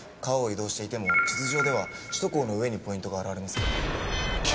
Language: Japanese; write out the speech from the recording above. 川を移動していても地図上では首都高の上にポイントが現れます。